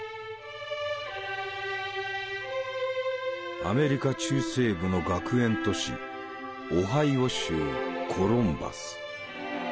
アメリカ中西部の学園都市オハイオ州コロンバス。